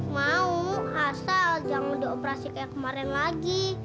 mau asal jangan dioperasi kayak kemarin lagi